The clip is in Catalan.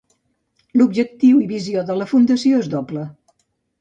L'objectiu i visió de la Fundació és doble.